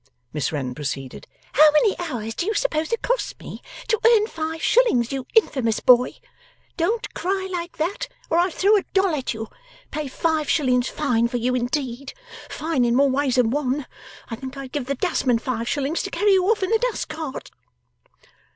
Miss Wren proceeded; 'how many hours do you suppose it costs me to earn five shillings, you infamous boy? Don't cry like that, or I'll throw a doll at you. Pay five shillings fine for you indeed. Fine in more ways than one, I think! I'd give the dustman five shillings, to carry you off in the dust cart.